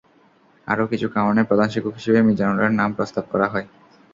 আরও কিছু কারণে প্রধান শিক্ষক হিসেবে মিজানুরের নাম প্রস্তাব করা হয়।